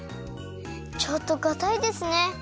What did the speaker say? ちょっとかたいですね。